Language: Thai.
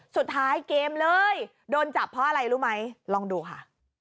เกมเลยโดนจับเพราะอะไรรู้ไหมลองดูค่ะ